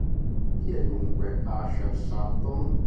Chi è, dunque, Asher Sutton?